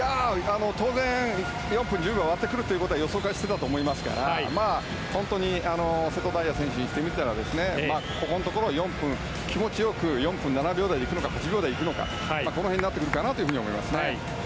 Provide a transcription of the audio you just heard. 当然、４分１０秒を割ってくることは予想していたと思いますから本当に瀬戸大也選手にしてみたらここのところ気持ち良く４分７秒台いくのか８秒台でいくのかこの辺になってくるかなと思います。